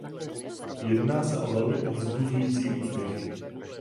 Jedná se o velmi povzbuzující úspěchy.